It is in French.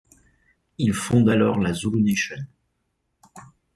Il fonde alors la Zulu Nation.